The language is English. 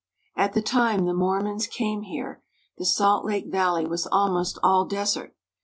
At the time the Mormons came here the Salt Lake Val ley was almost all desert.